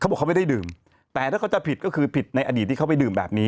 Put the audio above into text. บอกเขาไม่ได้ดื่มแต่ถ้าเขาจะผิดก็คือผิดในอดีตที่เขาไปดื่มแบบนี้